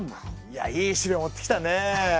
いやいい資料持ってきたねえ。